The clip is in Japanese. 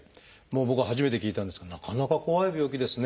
僕は初めて聞いたんですがなかなか怖い病気ですね。